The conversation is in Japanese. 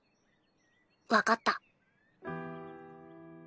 分かった。